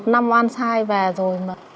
một mươi một năm oan sai về rồi mà